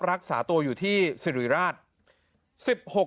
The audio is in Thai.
รักษาตัวอยู่ที่สิริราช